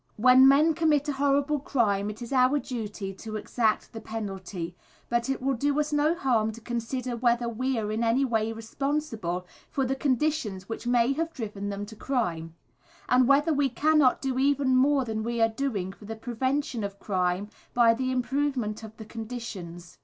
When men commit a horrible crime it is our duty to exact the penalty; but it will do us no harm to consider whether we are in any way responsible for the conditions which may have driven them to crime; and whether we cannot do even more than we are doing for the prevention of crime by the improvement of the conditions.